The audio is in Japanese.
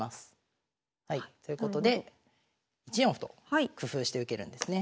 はいということで１四歩と工夫して受けるんですね。